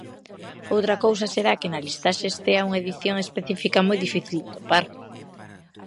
Outra cousa será que na listaxe estea unha edición específica moi difícil de atopar.